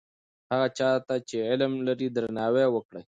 هغه چا ته چې علم لري درناوی وکړئ.